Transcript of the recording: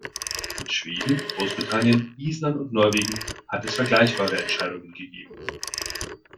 In Schweden, Großbritannien, Island und Norwegen hat es vergleichbare Entscheidungen gegeben.